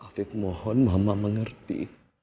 abib mohon mama mengerti